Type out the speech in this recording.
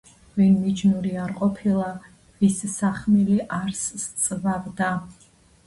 ვინ მიჯნური არ ყოფილა ვის სახმილი არს სწვავდა.